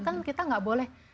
kan kita nggak boleh